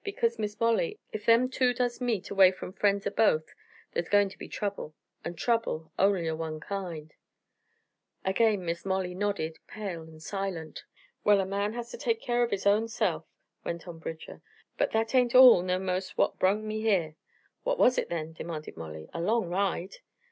Because, Miss Molly, ef them two does meet away from friends o' both, thar's goin' to be trouble, an' trouble only o' one kind." Again Molly Wingate nodded, pale and silent. "Well, a man has ter take keer o' his own self," went on Bridger. "But that ain't all ner most what brung me here." "What was it then?" demanded Molly. "A long ride!"